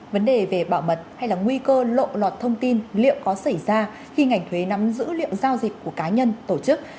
vấn đề về bảo mật hay là nguy cơ lộ lọt thông tin liệu có xảy ra khi ngành thuế nắm dữ liệu giao dịch của cá nhân tổ chức